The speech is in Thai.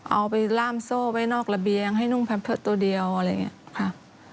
เอาไปล่ามโซ่ไว้นอกระเบียงให้นุ่งแพมเตอร์ตัวเดียวอะไรอย่างนี้ค่ะ